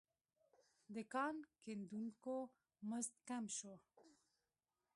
د کان کیندونکو مزد کم شو.